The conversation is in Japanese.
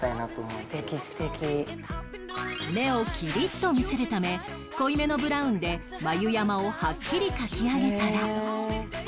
目をキリッと見せるため濃いめのブラウンで眉山をはっきり描き上げたら